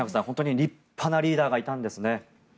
本当に立派なリーダーがいたんですね。